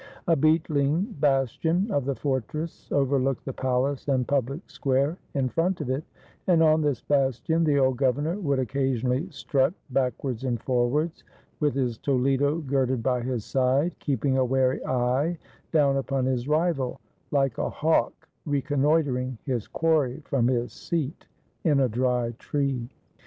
A beetling bastion of the fortress overlooked the palace and public square in front of it; and on this bastion the old governor would occa sionally strut backwards and forwards, with his toledo girded by his side, keeping a wary eye down upon his rival, like a hawk reconnoitering his quarry from his seat in a dry tree.